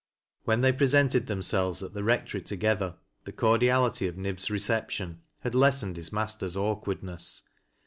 When they presented themselves at the Rectory together, the cordiality of Nib's reception had lessened his master's awkwardness.